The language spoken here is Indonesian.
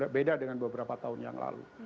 beda dengan beberapa tahun yang lalu